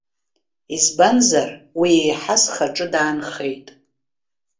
Избанзар, уи еиҳа схаҿы даанхеит.